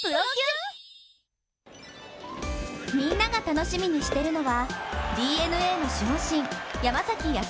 みんなが楽しみにしているのはＤｅＮＡの守護神・山崎康晃